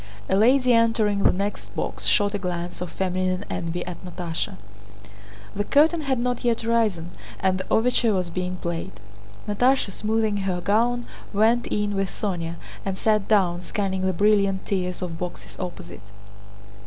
A lady entering the next box shot a glance of feminine envy at Natásha. The curtain had not yet risen and the overture was being played. Natásha, smoothing her gown, went in with Sónya and sat down, scanning the brilliant tiers of boxes opposite.